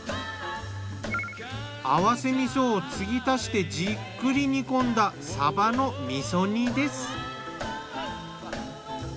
合わせ味噌を継ぎ足してじっくり煮込んだサバの味噌煮です。